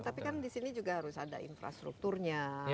tapi kan di sini juga harus ada infrastrukturnya